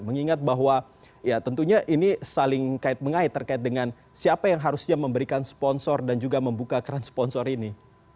mengingat bahwa ya tentunya ini saling kait mengait terkait dengan siapa yang harusnya memberikan sponsor dan juga membuka keran sponsor ini